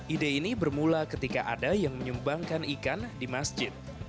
ide ini bermula ketika ada yang menyumbangkan ikan di masjid